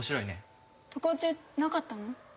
常中なかったの？